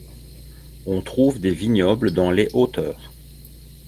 On trouve des vignobles dans les hauteurs.